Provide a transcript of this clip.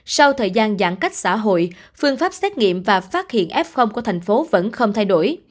sau thời gian giãn cách xã hội phương pháp xét nghiệm và phát hiện f của thành phố vẫn không thay đổi